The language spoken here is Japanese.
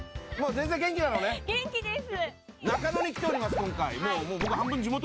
元気です！